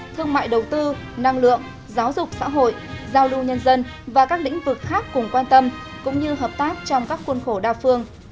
thương mại đầu tư năng lượng giáo dục xã hội giao lưu nhân dân và các lĩnh vực khác cùng quan tâm cũng như hợp tác trong các khuôn khổ đa phương